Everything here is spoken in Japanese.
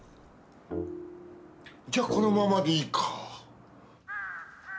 じゃあこのままでいいか。